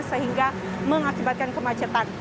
sehingga mengakibatkan kemacetan